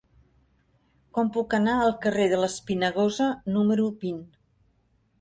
Com puc anar al carrer de l'Espinagosa número vint?